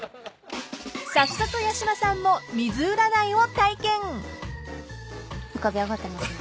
［早速八嶋さんも］浮かび上がってますね。